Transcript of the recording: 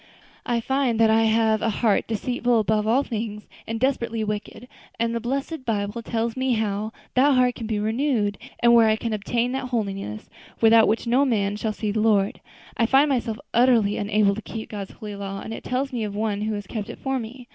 I find that I have a heart deceitful above all things and desperately wicked, and the blessed Bible tells me how that heart can be renewed, and where I can obtain that holiness without which no man shall see the Lord. I find myself utterly unable to keep God's holy law, and it tells me of One who has kept it for me.